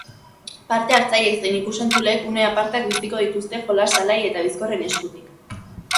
Parte-hartzaileek zein ikus-entzuleek une apartak biziko dituzte jolas alai eta bizkorren eskutik.